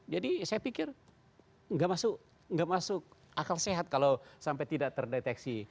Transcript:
jadi saya pikir tidak masuk akal sehat kalau sampai tidak terdeteksi